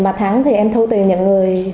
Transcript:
mà thắng thì em thu tiền những người